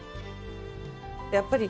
やっぱり